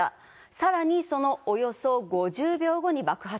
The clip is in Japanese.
さらにそのおよそ５０秒後に爆発。